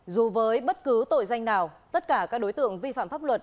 dù với bất cứ tội danh nào tất cả các đối tượng vi phạm pháp luật